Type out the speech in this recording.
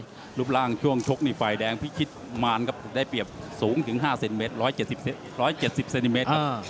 ดูรูปร่างช่วงชกในฝ่ายแดงพิชิตมารครับได้เปรียบสูงถึงห้าเซนติเมตรร้อยเจ็ดสิบเซนติเมตรครับ